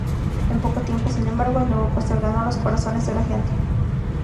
En poco tiempo, sin embargo, el nuevo pastor ganó los corazones de la gente.